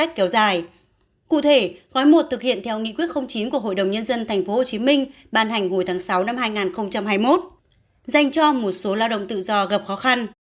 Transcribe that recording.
cụ thể gói một thực hiện theo nghị quyết chín của hội đồng nhân dân tp hcm ban hành hồi tháng sáu năm hai nghìn hai mươi một dành cho một số lao động tự do gặp khó khăn